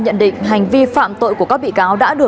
nhận định hành vi phạm tội của các bị cáo